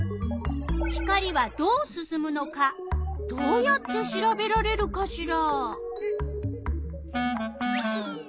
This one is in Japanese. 光はどうすすむのかどうやってしらべられるかしら？